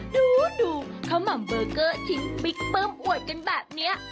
ดูเขามัมเบอร์เกอร์ชิ้นปิ๊กเปิ้มอวยกันแบบนี้